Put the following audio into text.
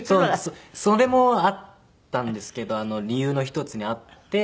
それもあったんですけど理由の一つにあって。